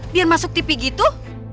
biar masuk tv gitu